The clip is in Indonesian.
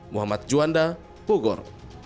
muhammad juanda bogor